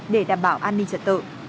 để đảm bảo an ninh trật tự